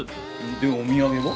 でお土産は？